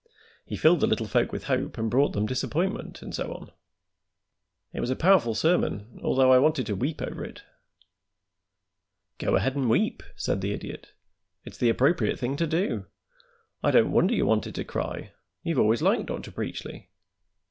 He filled the little folk with hope and brought them disappointment, and so on. It was a powerful sermon, although I wanted to weep over it." "Go ahead and weep," said the Idiot; "it's the appropriate thing to do. I don't wonder you wanted to cry; you've always liked Dr. Preachly."